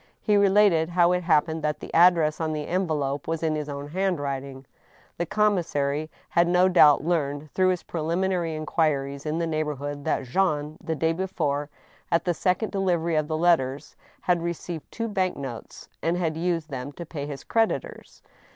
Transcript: He related how it happened that the address on the envelope was in his own hand* writing. The commissary had no doubt learned, through his preliminary inquiries in the neighborhood, that Jean, the day before, at the sec A WAKENED. 99 ond delivery of letters, had received two bank notes, and had used them to pay his creditors.